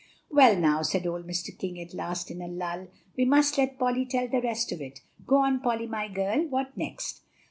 "Well, now," said old Mr. King at last, in a lull, "we must let Polly tell the rest of it. Go on, Polly my girl, what next?"